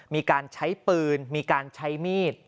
มีการใช้ปืนมีการใช้มีด